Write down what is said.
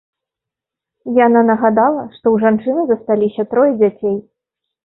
Яна нагадала, што ў жанчыны засталіся трое дзяцей.